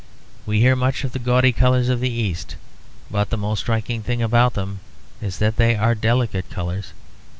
We hear much of the gaudy colours of the East; but the most striking thing about them is that they are delicate colours.